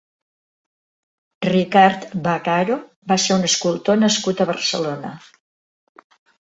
Ricard Vaccaro va ser un escultor nascut a Barcelona.